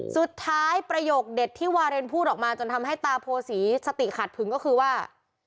สุดท้ายประโยคเด็ดที่วาลินพูดออกมาจนทำให้ตาโภษีสติขัดพึงก็คือว่า